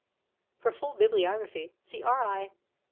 For full bibliography, see R. I.